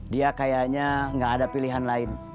dia kayaknya gak ada pilihan lain